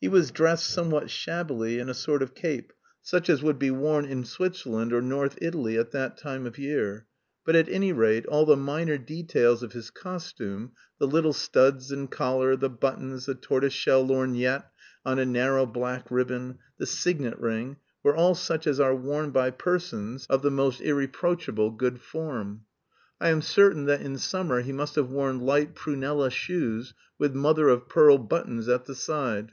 He was dressed somewhat shabbily in a sort of cape such as would be worn in Switzerland or North Italy at that time of year. But, at any rate, all the minor details of his costume, the little studs, and collar, the buttons, the tortoise shell lorgnette on a narrow black ribbon, the signet ring, were all such as are worn by persons of the most irreproachable good form. I am certain that in summer he must have worn light prunella shoes with mother of pearl buttons at the side.